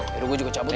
nih gue juga cabut deh